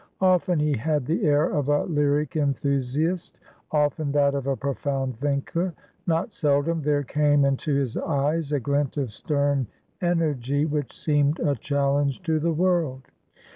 Often he had the air of a lyric enthusiast; often, that of a profound thinker; not seldom there came into his eyes a glint of stern energy which seemed a challenge to the world.